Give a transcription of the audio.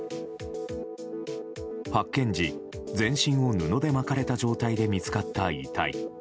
発見時、全身を布で巻かれた状態で見つかった遺体。